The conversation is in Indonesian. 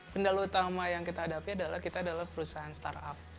pendal utama yang kita hadapi adalah kita adalah perusahaan start up